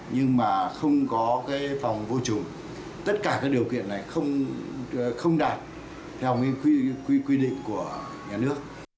nhưng mà không có cái phòng vô chủng tất cả các điều kiện này không đạt theo cái quy định của nhà nước